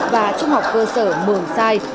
và trung học cơ sở mường sai